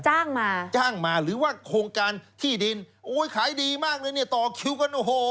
จ้างมาจ้างมาหรือว่าโครงการที่ดินโอ้ยขายดีมากเลยเนี่ยต่อคิวกันโอ้โห